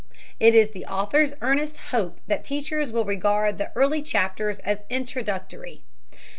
It is the author's earnest hope that teachers will regard the early chapters as introductory.